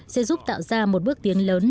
sẽ giúp tạo ra một bước tiến lớn